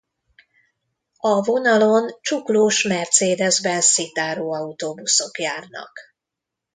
A vonalon csuklós Mercedes-Benz Citaro autóbuszok járnak.